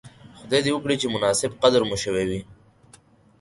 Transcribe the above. خدای دې وکړي چې مناسب قدر مو شوی وی.